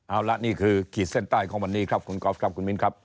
เอาละนี่คือขีดเส้นใต้ของวันนี้ครับคุณกอล์ฟครับคุณมิ้นครับ